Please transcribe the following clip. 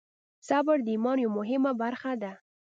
صبر د ایمان یوه مهمه برخه ده.